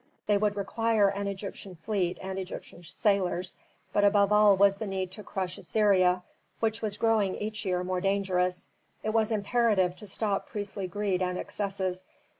They would require an Egyptian fleet and Egyptian sailors. But above all was the need to crush Assyria, which was growing each year more dangerous. It was imperative to stop priestly greed and excesses.